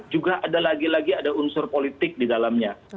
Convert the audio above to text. juga ada lagi lagi ada unsur politik di dalamnya